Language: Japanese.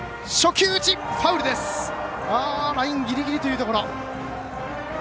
ファウルラインギリギリというところ。